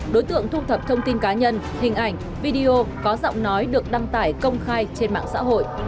đối tượng thu thập thông tin cá nhân hình ảnh video có giọng nói được đăng tải công khai trên mạng xã hội